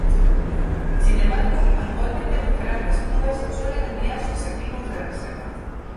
Sin embargo, actualmente los grandes clubes suelen enviar sus equipos de reserva.